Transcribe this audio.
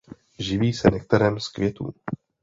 Živí se nektarem z květů.